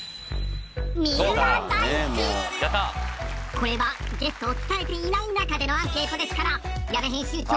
これはゲストを伝えていない中でのアンケートですから矢部編集長